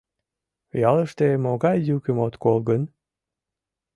Ялыште могай йӱкым от кол гын?